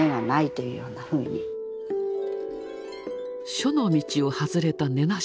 「書の道」を外れた根なし草。